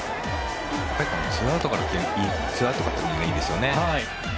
ツーアウトからというのがいいですよね。